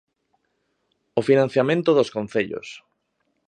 O financiamento dos concellos.